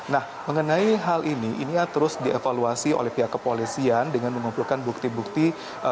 nah mengenai hal ini ini terus dievaluasi oleh pihak kepolisian dengan mengumpulkan bukti bukti